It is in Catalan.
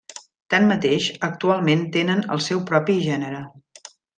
Tanmateix, actualment tenen el seu propi gènere.